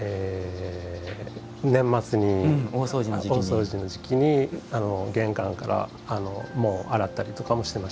年末に大掃除の時期に玄関から洗ったりとかもしてました。